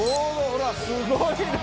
ほらすごいな！